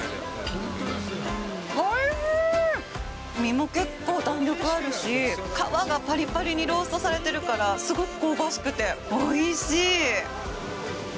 身も結構弾力あるし、皮がパリパリにローストされてるからすごく香ばしくて、おいしい！